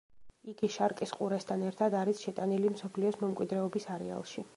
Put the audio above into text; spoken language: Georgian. იგი შარკის ყურესთან ერთად არის შეტანილი მსოფლიოს მემკვიდრეობის არეალში.